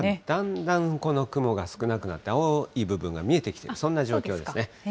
だんだんこの雲が少なくなって、青い部分が見えてきている、そんな状況ですね。